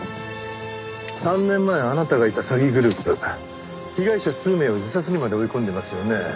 ３年前あなたがいた詐欺グループ被害者数名を自殺にまで追い込んでますよね。